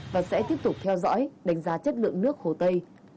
và sẽ tiếp tục theo dõi đánh giá chất lượng nước hồ tây